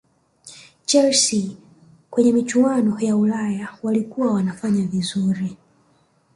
Chelsea kwenye michuano ya Ulaya walikuwa wanafanya vizuri